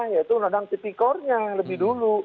yaitu undang undang tipikornya lebih dulu